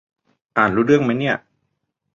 อ่านรู้เรื่องมั๊ยเนี่ย